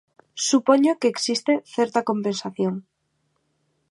Supoño que existe certa compensación.